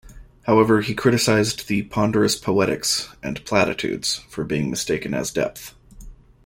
However, he criticized the "ponderous poetics...and platitudes" for being mistaken as depth.